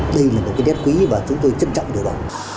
đây là một cái đết quý mà chúng tôi trân trọng đều đó